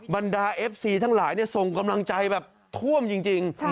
บรรดาเอฟซีทั้งหลายส่งกำลังใจแบบท่วมจริง